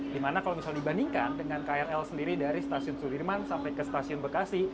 dimana kalau misal dibandingkan dengan krl sendiri dari stasiun sudirman sampai ke stasiun bekasi